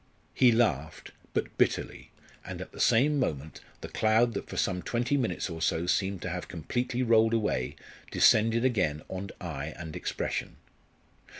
He laughed, but bitterly, and at the same moment the cloud that for some twenty minutes or so seemed to have completely rolled away descended again on eye and expression.